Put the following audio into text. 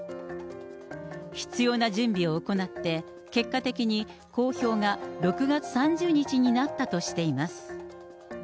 必要な準備を行って、結果的に公表が６月３０日になったとしています。